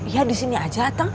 ya disini aja atem